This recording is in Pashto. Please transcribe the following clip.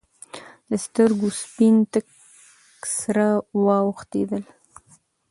د سترګو سپین تک سره واوختېدل.